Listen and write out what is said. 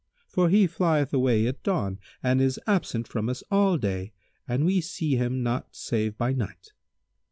For he flieth away at dawn and is absent from us all day and we see him not save by night."